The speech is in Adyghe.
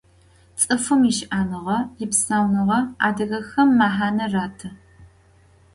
Ts'ıfım yişı'enığe, yipsaunığe adıgexem mehane ratı.